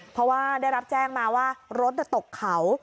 เพราะว่าได้รับแจ้งมาว่ารถตกเขา